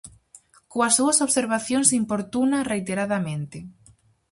Coas súas observacións importuna reiteradamente.